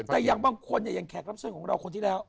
แต่อย่างบางคนเนี่ยอย่างแขกรับเชิญของเราคนที่แล้ว